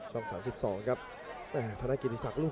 สักค่อยเดินเข้ามาหมดยกที่สองครับ